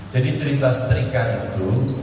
jadi cerita setrika itu